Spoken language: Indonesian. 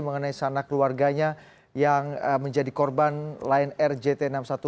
mengenai sanak keluarganya yang menjadi korban lion air jt enam ratus sepuluh